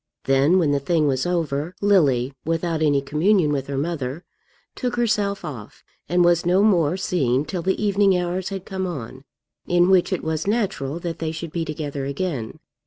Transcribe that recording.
Then, when the thing was over, Lily, without any communion with her mother, took herself off, and was no more seen till the evening hours had come on, in which it was natural that they should be together again.